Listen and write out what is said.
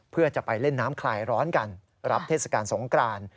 เพื่อจะไปเล่นน้ำคลายร้อนกันรับเทศกาลสงกราน